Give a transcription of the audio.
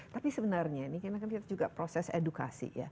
tapi sebenarnya ini kita lihat juga proses edukasi